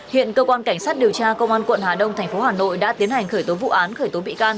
hiện cơ quan cảnh sát điều tra công an quận hà đông tp hà nội đã tiến hành khởi tố vụ án khởi tố bị can